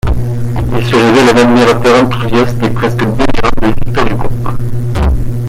Il se révèle un admirateur enthousiaste et presque délirant de Victor Hugo.